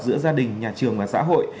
giữa gia đình nhà trường và xã hội